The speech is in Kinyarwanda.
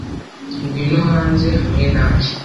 Ngwino hanze hamwe nanjye